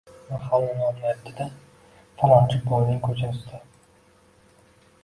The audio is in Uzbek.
mahalla nomini aytadi-da: «Falonchi boyning ko‘chasida»